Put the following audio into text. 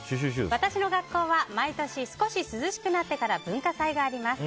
私の学校は毎年少し涼しくなってから文化祭があります。